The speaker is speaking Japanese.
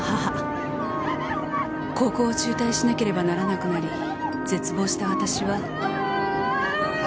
高校を中退しなければならなくなり絶望した私は。